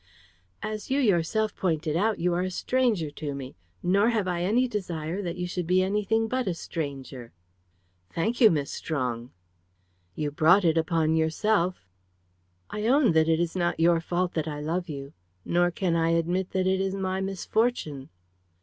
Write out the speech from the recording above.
"As you yourself pointed out, you are a stranger to me; nor have I any desire that you should be anything but a stranger." "Thank you, Miss Strong." "You brought it upon yourself." "I own that it is not your fault that I love you; nor can I admit that it is my misfortune."